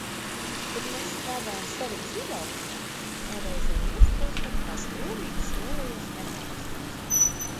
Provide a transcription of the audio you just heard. Bet mēs strādājam servisa izaugsmei un reizēm iesprūstam kā skrūvītes lielajos mehānismos.